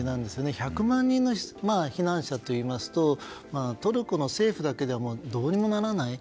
１００万人の避難者といいますとトルコの政府だけではどうにもならない。